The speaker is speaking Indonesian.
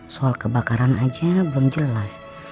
soal kebakaran aja belum jelas